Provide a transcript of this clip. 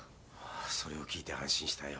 それを聞いて安心したよ。